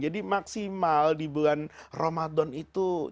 maksimal di bulan ramadan itu